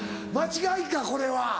間違いかこれは。